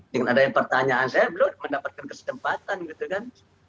dengan adanya pertanyaan saya beliau mendapatkan kesempatan gitu kan